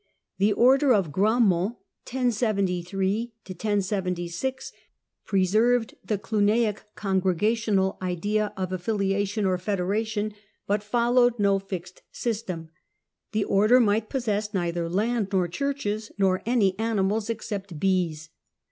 The Order of Grandmont (1073 1076) preserved the Cluniac congregational idea of affiliation or federation (see p. 56), but followed no fixed system. The Order might possess neither land nor churches, nor any animals, "except bees."